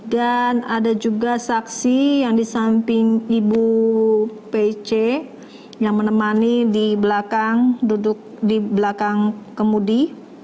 dan ada juga saksi yang di samping ibu pece yang menemani di belakang duduk di belakang kemudi